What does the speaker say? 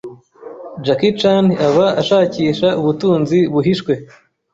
Jackie Chan aba ashakisha ubutunzi buhishwe